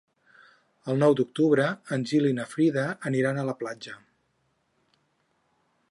El nou d'octubre en Gil i na Frida aniran a la platja.